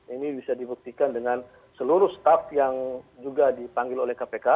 ini bisa dibuktikan dengan seluruh staff yang juga dipanggil oleh kpk